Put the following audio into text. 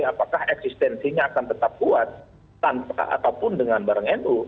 apakah eksistensinya akan tetap kuat tanpa ataupun dengan bareng nu